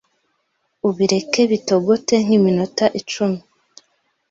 ubireke bitogote nk’iminota icumi